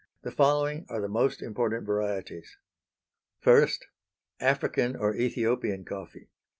The following are the most important varieties: _I. African, or Ethiopian Coffee.